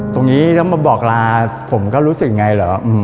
ตรงนี้ถ้ามาบอกลาผมก็รู้สึกไงเหรอ